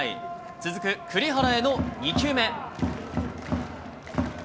続く栗原への２球目。